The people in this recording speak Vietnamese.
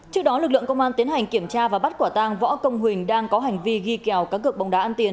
trước đó lực lượng công an tiến hành kiểm tra và bắt quả tang võ công huynh đang có hành vi ghi kèo cán cực bóng đá ăn tiền